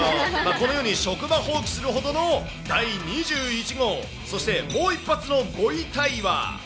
このように職場放棄するほどの第２１号、そして、もう一発の５位タイは。